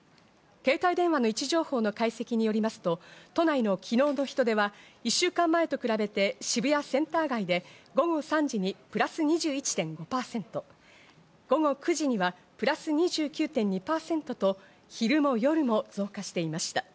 携帯電話の位置情報の解析によりますと、都内の昨日の人出は１週間前と比べて渋谷センター街で午後３時にプラス２１．５％、午後９時にはプラス２９．２％と、昼も夜も増加していました。